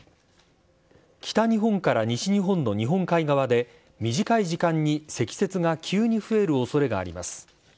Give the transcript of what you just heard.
北日本から西日本の日本海側で、短い時間に積雪が急に増えるおそれがあります。